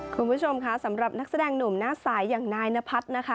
คุณผู้ชมค่ะสำหรับนักแสดงหนุ่มหน้าสายอย่างนายนพัฒน์นะคะ